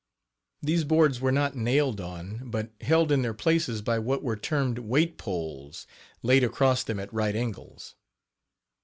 These boards were not nailed on, but held in their places by what were Page 26 termed weight poles laid across them at right angles.